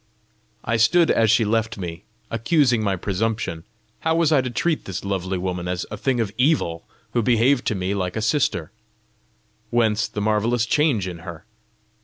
I stood as she left me, accusing my presumption: how was I to treat this lovely woman as a thing of evil, who behaved to me like a sister? Whence the marvellous change in her?